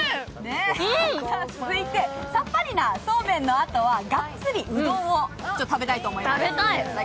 続いてさっぱりなそうめんのあとはガッツリうどんを食べたいと思います。